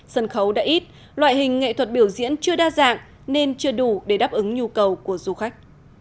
sân khấu đã ít loại hình nghệ thuật biểu diễn chưa đa dạng nên chưa đủ để đáp ứng nhu cầu của du khách